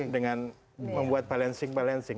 dengan membuat balancing balancing